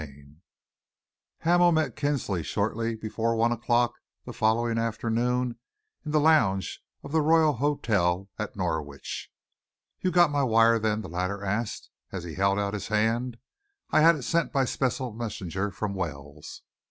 CHAPTER XXV Hamel met Kinsley shortly before one o'clock the following afternoon, in the lounge of the Royal Hotel at Norwich. "You got my wire, then?" the latter asked, as he held out his hand. "I had it sent by special messenger from Wells."